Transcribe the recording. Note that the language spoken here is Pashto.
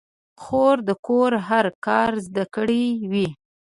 خور د کور هر کار زده کړی وي.